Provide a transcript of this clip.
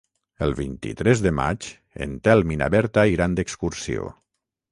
El vint-i-tres de maig en Telm i na Berta iran d'excursió.